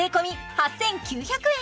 ８９００円